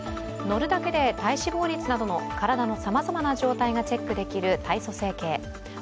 乗るだけで体脂肪率などの体のさまざまな状態をチェックできる体組成計。